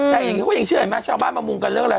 แต่อย่างนี้เขายังเชื่อไหมชาวบ้านมามุงกันเริ่มแล้ว